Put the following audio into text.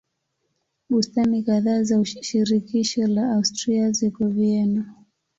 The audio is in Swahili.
Bustani kadhaa za shirikisho la Austria ziko Vienna.